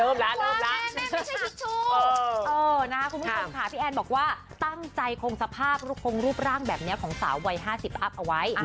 เริ่มแล้วเริ่มแล้วคุณผู้ชมค่ะพี่แอนบอกว่าตั้งใจคงสภาพรูปคงรูปร่างแบบนี้ของสาววัย๕๐อัพเอาไว้